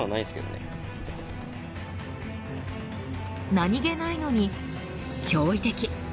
何気ないのに、驚異的。